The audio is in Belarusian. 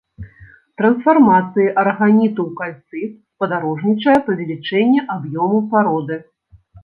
Трансфармацыі араганіту ў кальцыт спадарожнічае павелічэнне аб'ёму пароды.